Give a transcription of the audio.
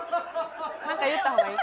なんか言った方がいい？